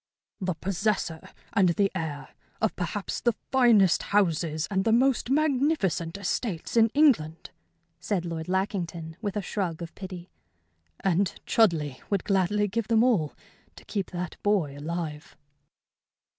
"The possessor, and the heir, of perhaps the finest houses and the most magnificent estates in England," said Lord Lackington, with a shrug of pity. "And Chudleigh would gladly give them all to keep that boy alive."